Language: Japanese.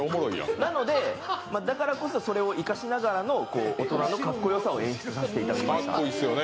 なので、だからこそそれを生かしながらの大人のかっこよさを演出させていただきました。